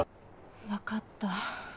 わかった。